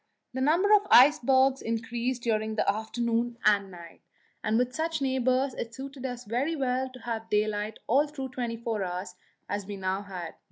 The number of icebergs increased during the afternoon and night, and with such neighbours it suited us very well to have daylight all through the twenty four hours, as we now had.